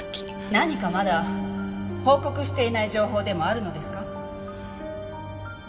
何かまだ報告していない情報でもあるのですか？